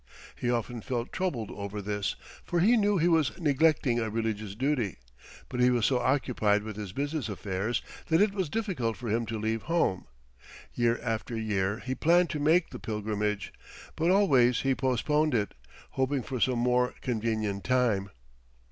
He often felt troubled over this, for he knew he was neglecting a religious duty, but he was so occupied with his business affairs that it was difficult for him to leave home. Year after year he planned to make the pilgrimage, but always he postponed it, hoping for some more convenient time.